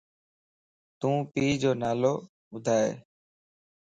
تون پيءَ جو نالو ٻڌائي؟